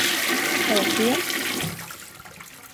Har jag fel?